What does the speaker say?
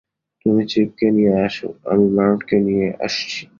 তুমি চিপকে নিয়ে আসো, আমি মার্টকে নিয়ে আসছি।